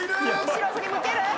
後ろ振り向ける？